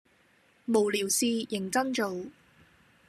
無聊事認真做